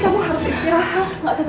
kamu harus pulang